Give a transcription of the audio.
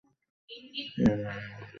এই ইউনিয়নে উপজেলার সকল সরকারি অফিস অবস্থিত।